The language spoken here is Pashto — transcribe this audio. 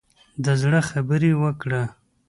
د زړه خبرې وکړه.